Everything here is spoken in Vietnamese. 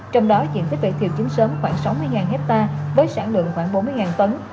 trong đó diện tích vải thiều chính sớm khoảng sáu mươi hectare với sản lượng khoảng bốn mươi tấn